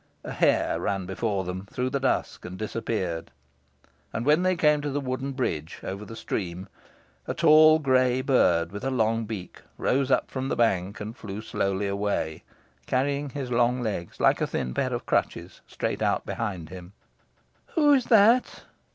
A hare ran before them through the dusk and disappeared. And when they came to the wooden bridge over the stream, a tall gray bird with a long beak rose up from the bank and flew slowly away, carrying his long legs, like a thin pair of crutches, straight out behind him. "Who is that?"